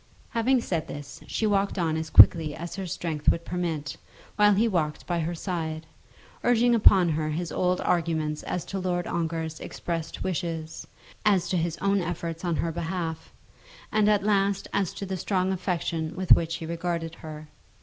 Having said this, she walked on as quickly as her strength would permit, while he walked by her side, urging upon her his old arguments as to Lord Ongar's expressed wishes, as to his own efforts on her behalf, and at last as to the strong affection with which he regarded her.